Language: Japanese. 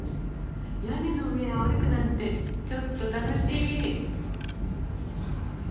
屋根の上歩くなんてちょっと楽しい！